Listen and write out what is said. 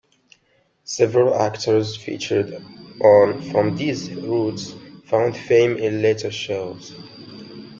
Several actors featured on "From These Roots" found fame in later shows.